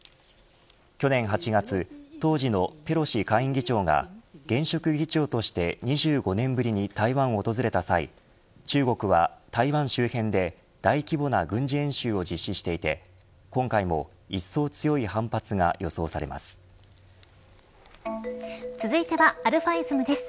去年８月当時のペロシ下院議長が現職議長として２５年ぶりに台湾を訪れた際中国は台湾周辺で大規模な軍事演習を実施していて今回も、いっそう強い反発が続いてはαｉｓｍです。